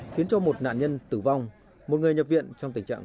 khiến cho một nạn nhân tử vong một người nhập viện trong tình trạng